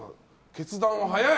決断は早い！